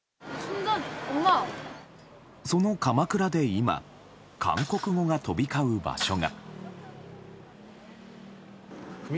その鎌倉で今韓国語が飛び交う場所が。